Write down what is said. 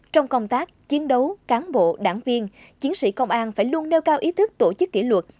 trong công tác chiến đấu cán bộ đảng viên chiến sĩ công an phải luôn nêu cao ý thức tổ chức kỷ luật